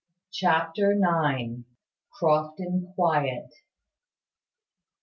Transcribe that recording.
CHAPTER NINE. CROFTON QUIET.